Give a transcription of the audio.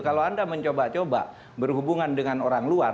kalau anda mencoba coba berhubungan dengan orang luar